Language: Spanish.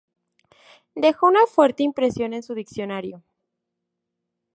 Dejó una fuerte impresión en su diccionario.